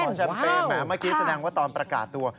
คุณหมอแชมเป็นแม้เมื่อกี้แสดงว่าตอนประกาศตัว